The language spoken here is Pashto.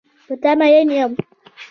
په تا مین یم.